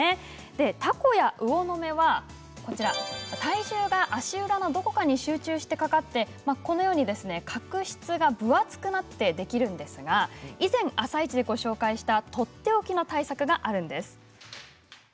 タコや魚の目は体重が足裏のどこかに集中してかかって角質が分厚くなってできるんですが以前「あさイチ」で紹介したとっておきの対策があるんです。